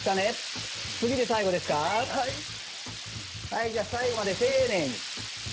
はいじゃあ最後まで丁寧に。